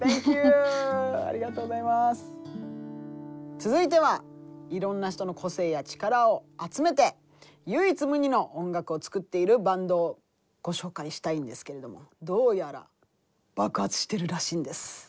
続いてはいろんな人の個性や力を集めて唯一無二の音楽を作っているバンドをご紹介したいんですけれどもどうやら爆発してるらしいんです。